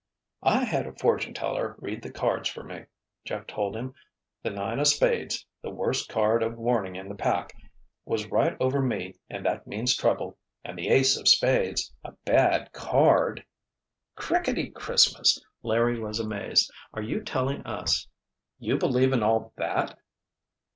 "I had a fortune teller read the cards for me," Jeff told him. "The nine o' spades—the worst card of warning in the pack—was right over me and that means trouble—and the ace of spades, a bad card——" "Crickety Christmas!" Larry was amazed. "Are you really telling us you believe in all that?"